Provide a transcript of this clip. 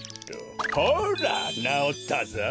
ほらなおったぞ！